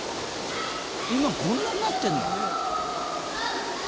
今こんなになってるの？